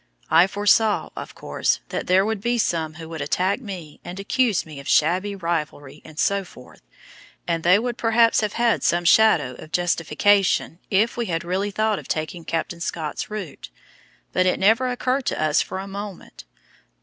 I foresaw, of course, that there would be some who would attack me and accuse me of "shabby rivalry," etc., and they would perhaps have had some shadow of justification if we had really thought of taking Captain Scott's route. But it never occurred to us for a moment.